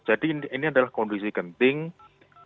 jadi ini adalah kondisi gantinya